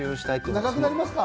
長くなりますか？